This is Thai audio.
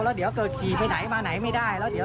แล้วเดี๋ยวเกิดขี่ไปไหนมาไหนไม่ได้